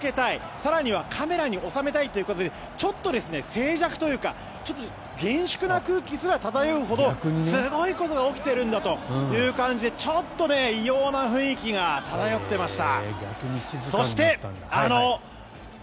更にはカメラに収めたいという方でちょっと静寂というか厳粛な空気すら漂うほどすごいことが起きているんだという感じでちょっと異様な雰囲気が漂っていました。